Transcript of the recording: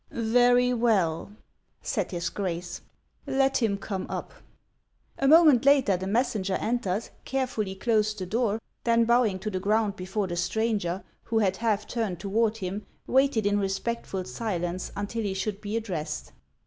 " Very well," said his Grace ;" let him come up." A moment later the messenger entered, carefully closed the door, then bowing to the ground before the stranger, who had half turned toward him, waited in respectful silence until he should be addressed.